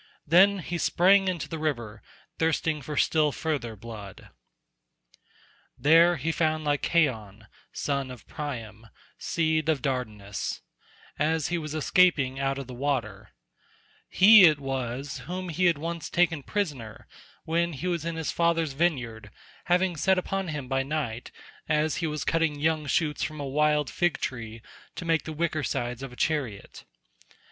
Then he sprang into the river, thirsting for still further blood. There he found Lycaon, son of Priam seed of Dardanus, as he was escaping out of the water; he it was whom he had once taken prisoner when he was in his father's vineyard, having set upon him by night, as he was cutting young shoots from a wild fig tree to make the wicker sides of a chariot.